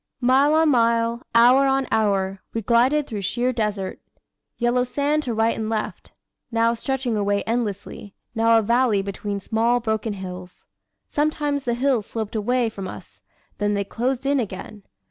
Mile on mile, hour on hour, we glided through sheer desert. Yellow sand to right and left now stretching away endlessly, now a valley between small broken hills. Sometimes the hills sloped away from us, then they closed in again.